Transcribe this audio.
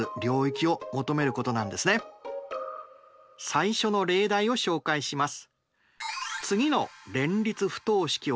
最初の例題を紹介します。